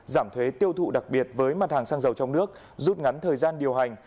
giảm thuế tiêu thụ đặc biệt với mặt hàng xăng dầu trong nước rút ngắn thời gian điều hành